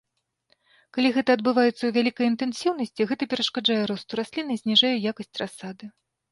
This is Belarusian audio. Калі гэта адбываецца ў вялікай інтэнсіўнасці, гэта перашкаджае росту раслін і зніжае якасць расады.